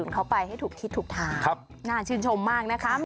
เข้าไปให้ถูกคิดถูกถามครับน่าชื่นชมมากนะคะ